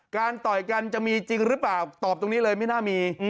ต่อยกันจะมีจริงหรือเปล่าตอบตรงนี้เลยไม่น่ามี